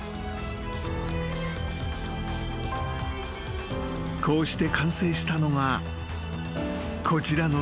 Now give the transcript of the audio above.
［こうして完成したのがこちらの装具］